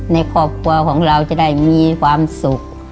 ในครอบครัวของเราจะได้มีความสุข